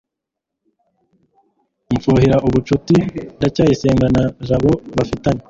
mfuhira ubucuti ndacyayisenga na jabo bafitanye